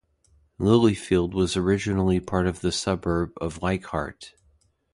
Lilyfield was originally part of the suburb of Leichhardt.